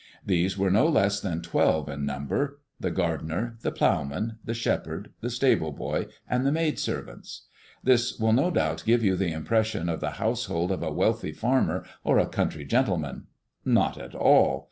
These were no less than twelve in number: the gardener, the ploughman, the shepherd, the stable boy, and the maid servants. This will no doubt give you the impression of the household of a wealthy farmer or a country gentleman. Not at all.